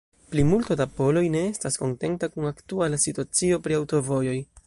Plimulto da poloj ne estas kontenta kun aktuala situacio pri aŭtovojoj.